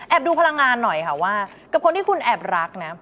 ดูพลังงานหน่อยค่ะว่ากับคนที่คุณแอบรักนะ